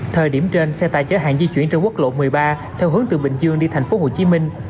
thời điểm trên xe tải chở hàng di chuyển trên quốc lộ một mươi ba theo hướng từ bình dương đi thành phố hồ chí minh